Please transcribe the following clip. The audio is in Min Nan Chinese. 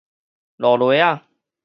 露螺仔